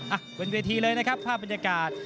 อ่ะบนเวทีเลยนะครับภาพบรรยากาศ